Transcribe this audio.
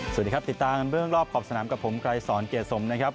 สวัสดีครับติดตามเรื่องรอบขอบสนามกับผมไกรสอนเกียรติสมนะครับ